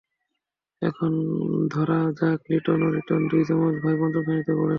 এখন ধরা যাক লিটন ও রিটন দুই যমজ ভাই পঞ্চম শ্রেণিতে পড়ে।